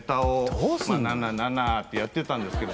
どうすんの？ってやってたんですけど